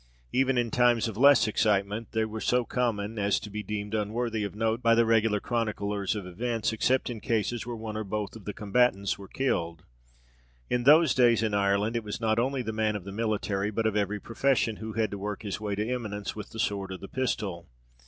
Even in times of less excitement, they were so common as to be deemed unworthy of note by the regular chroniclers of events, except in cases where one or both of the combatants were killed. In those days, in Ireland, it was not only the man of the military, but of every profession, who had to work his way to eminence with the sword or the pistol.